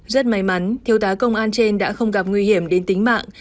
rất may mắn thiêu tá công an trên đã không gặp nguy hiểm đến tính mạng